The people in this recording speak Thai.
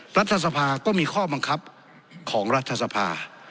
รัฐสภาก็มีข้อบังคับของรัฐสภา